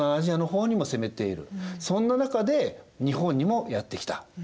そんな中で日本にもやって来た。